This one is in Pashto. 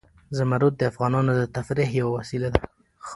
زمرد د افغانانو د تفریح یوه وسیله ده.